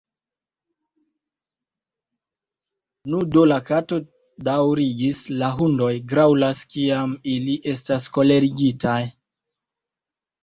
"Nu do," la Kato daŭrigis, "la hundoj graŭlas kiam ili estas kolerigitaj.